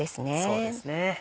そうですね。